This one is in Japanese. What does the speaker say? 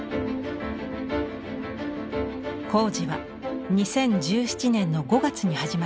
工事は２０１７年の５月に始まりました。